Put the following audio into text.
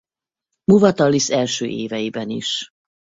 Muvatallisz első éveiben is.